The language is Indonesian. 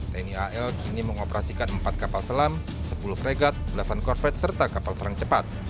tni al kini mengoperasikan empat kapal selam sepuluh fregat belasan korvet serta kapal serang cepat